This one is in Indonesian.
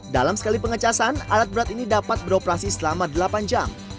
dalam sekali pengecasan alat berat ini dapat beroperasi selama delapan jam